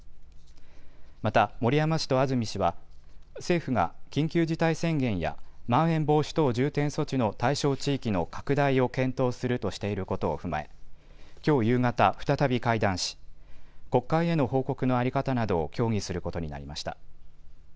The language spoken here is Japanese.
また森山氏と安住氏は政府が緊急事態宣言やまん延防止等重点措置の対象地域の拡大を検討するとしていることを踏まえきょう夕方、再び会談し国会への報告の在り方などを協議することになりました。